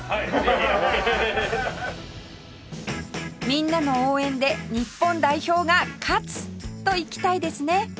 みんなの応援で日本代表がカツ！といきたいですね